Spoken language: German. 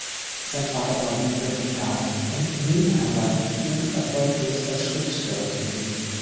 Sein Vater war Bibliothekar und nebenher weitgehend erfolglos als Schriftsteller tätig.